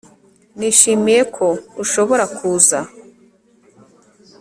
nishimiye ko ushobora kuza